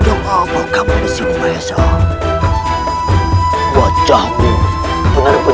tengah tengah penerus sobat di tricon